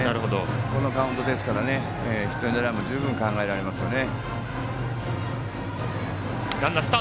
このカウントですからヒットエンドランも十分考えられますね。